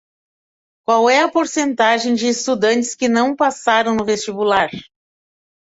Qual é a porcentagem de estudantes que não passaram no vestibular?